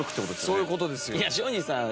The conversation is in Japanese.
そういう事ですよ。